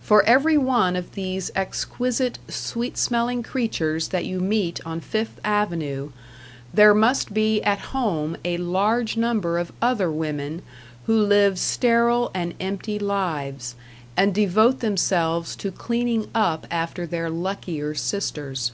For every one of these exquisite, sweet smelling creatures that you meet on Fifth Avenue, there must be at home a large number of other women who live sterile and empty lives, and devote themselves to cleaning up after their luckier sisters.